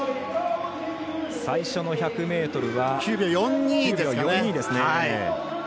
最初の１００ｍは９秒４２ですね。